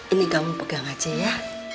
ini kamu pegang aja ya